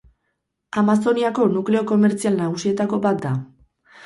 Amazoniako nukleo komertzial nagusietako bat da.